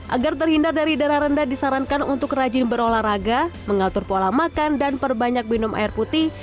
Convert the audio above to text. agar terhindar dari darah rendah disarankan untuk rajin berolahraga mengatur pola makan dan perbanyak minum air putih